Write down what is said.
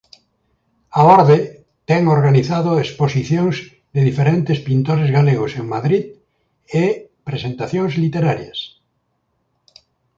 A Orde ten organizado exposicións de diferentes pintores galegos en Madrid e presentacións literarias.